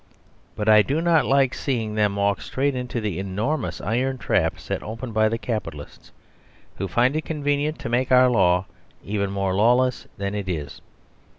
But I do not like seeing them walk straight into the enormous iron trap set open by the Capitalists, who find it convenient to make our law even more lawless than it is.